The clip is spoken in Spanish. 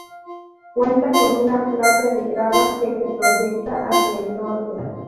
Cuenta con una playa de grava que se proyecta hacia el norte.